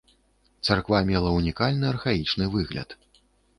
Царква мела ўнікальны архаічны выгляд.